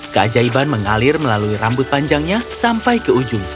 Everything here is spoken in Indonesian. keajaiban mengalir melalui rambut panjangnya sampai ke ujung